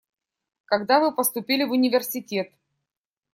Когда вы поступили в университет?